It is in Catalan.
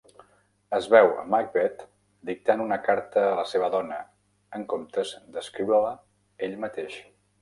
Es veu Macbeth dictant una carta a la seva dona, en comptes d'escriure-la ell mateix.